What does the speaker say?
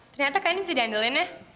ternyata kalian bisa diandalkan